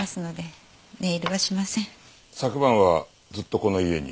昨晩はずっとこの家に？